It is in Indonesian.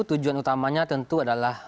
tujuan utamanya tentu adalah